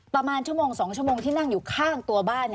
ประมาณชั่วโมง๒ชั่วโมงที่นั่งอยู่ข้างตัวบ้าน